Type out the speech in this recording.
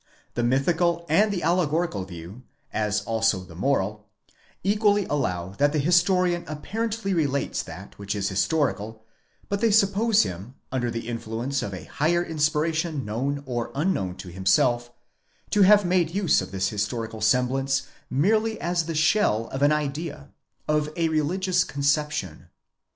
The mythical and the allegorical view (as also the moral) equally allow that the historian apparently relates that which is historical, but they suppose him, under the influence of a higher inspiration known or unknown to himself, to have made use of this historical semblance merely as the shell of an #dea—of a religious conception.